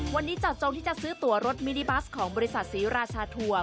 วันนี้เจาะจงที่จะซื้อตัวรถมินิบัสของบริษัทศรีราชาทัวร์